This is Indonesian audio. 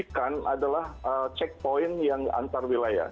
fungsikan adalah checkpoint yang antar wilayah